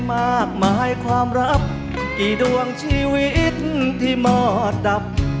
มากมายความรักกี่ดวงชีวิตที่หมอดับ